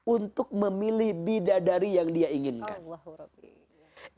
untuk memilih bidadari yang dia inginkan